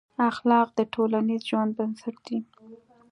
اخلاق د ټولنیز ژوند بنسټ دي.